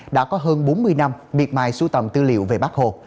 đã có hơn bốn mươi năm miệt mài sưu tầm tư liệu về bác hồ